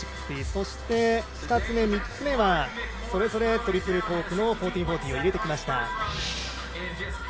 そして、２つ目、３つ目はそれぞれトリプルコークの１４４０を入れてきました。